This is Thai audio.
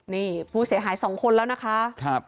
นี่ผู้เสียหายสองคนแล้วนะคะ